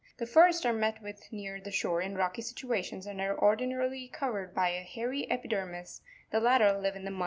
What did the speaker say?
The first are met with near the shore in rocky situations, and are ordinarily covered by a hairy epidermis; the latter live in the mud.